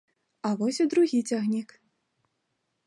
А вось і другі цягнік.